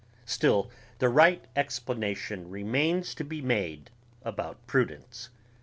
Still the right explanation remains to be made about prudence.